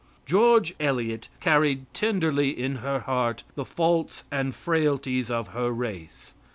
"George Eliot" carried tenderly in her heart the faults and frailties of her race.